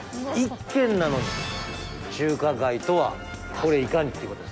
１軒なのに「中華街」とはこれいかに？っていう事ですね。